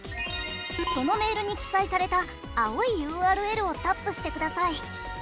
そのメールに記載された青いＵＲＬをタップしてください。